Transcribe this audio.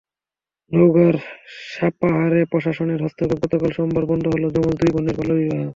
নওগাঁর সাপাহারে প্রশাসনের হস্তক্ষেপে গতকাল সোমবার বন্ধ হলো যমজ দুই বোনের বাল্যবিবাহ।